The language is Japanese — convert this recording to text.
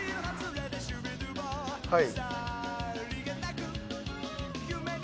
はい。